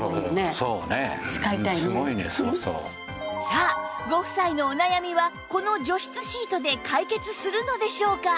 さあご夫妻のお悩みはこの除湿シートで解決するのでしょうか？